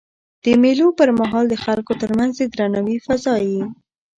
د مېلو پر مهال د خلکو ترمنځ د درناوي فضا يي.